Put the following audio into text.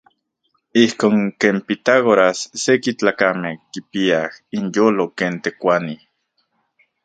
Ijkon ken Pitágoras seki tlakamej kipiaj inyolo ken tekuanij.